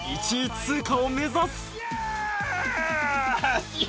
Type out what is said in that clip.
１位通過を目指すイエス！